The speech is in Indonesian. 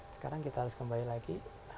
sekarang kita harus kembali lagi